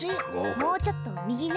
もうちょっと右ね。